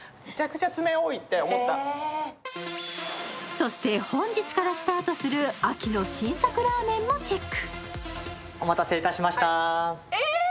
そして本日からスタートする秋の新作ラーメンもチェック。